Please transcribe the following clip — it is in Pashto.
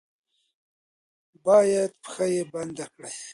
با ید پښه یې بنده کړي.